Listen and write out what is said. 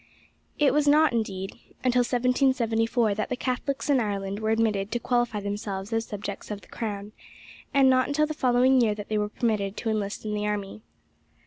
It was not, indeed, until 1774 that the Catholics in Ireland were admitted to qualify themselves as subjects of the crown, and not until the following year that they were permitted to enlist in the army.